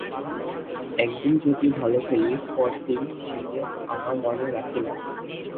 এক দিন যদি ভালো খেলি, পরদিন সেটা আমার মনে রাখি না।